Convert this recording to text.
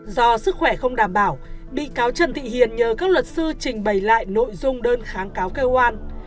do sức khỏe không đảm bảo bị cáo trần thị hiền nhờ các luật sư trình bày lại nội dung đơn kháng cáo kêu an